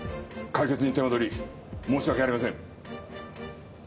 解決に手間取り申し訳ありません！